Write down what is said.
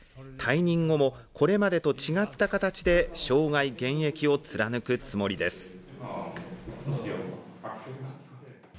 退任後もこれまでと違った形で生涯現役を貫くつもりです。